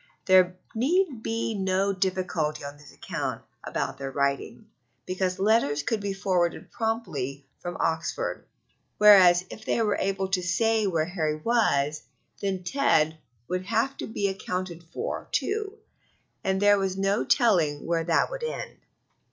There need be no difficulty on this account about their writing, because letters could be forwarded promptly from Oxford, whereas if they were able to say where Harry was, then Ted would have to be accounted for, too, and there was no telling where that would end.